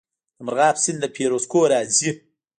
د مرغاب سیند له فیروز کوه راځي